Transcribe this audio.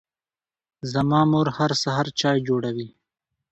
زما مور هر سهار چای جوړوي.